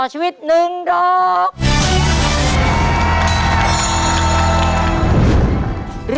หลบหลบ